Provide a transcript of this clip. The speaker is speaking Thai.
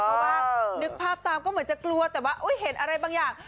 เพราะว่านึกภาพตามก็เหมือนจะกลัวแต่ว่าเห็นอะไรบางอย่าง